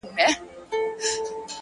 هره ورځ د ځان د اصلاح فرصت دی!.